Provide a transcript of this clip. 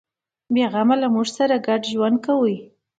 بیغمه له موږ سره ګډ ژوند کوي.